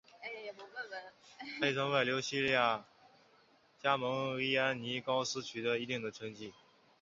他亦曾外流希腊加盟伊安尼高斯取得一定的成绩。